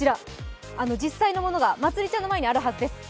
実際のものが、まつりちゃんの前にあるはずです。